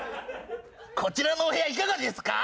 こちらのお部屋いかがですか？